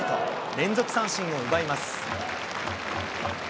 連続三振を奪います。